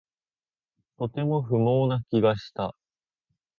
とても不毛な気がした